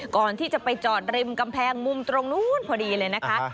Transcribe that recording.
ก่อนที่จะไปจอดริมกำแพงมุมตรงนู้นพอดีเลยนะคะ